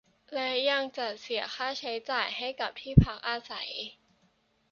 และยังจะเสียค่าใช้จ่ายกับที่พักอาศัย